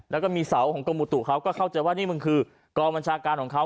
แล้วก็มีเสาของกรมอุตุเขาก็เข้าใจว่านี่มันคือกองบัญชาการของเขา